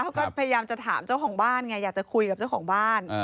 พยายามจะถามเจ้าของบ้านไงอยากจะคุยกับเจ้าของบ้าน